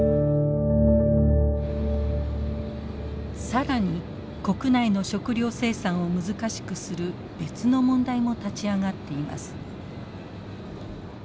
更に国内の食料生産を難しくする別の問題も立ち上がっています。